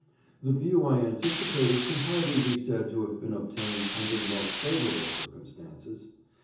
The view I anticipated can hardly be said to have been obtained under the most favourable circumstances.